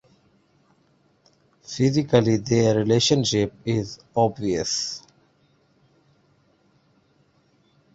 Physically their relationship is obvious.